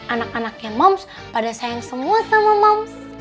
anak anaknya moms pada sayang semua sama moms